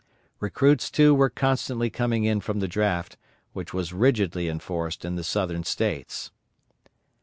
Recruits, too, were constantly coming in from the draft, which was rigidly enforced in the Southern States.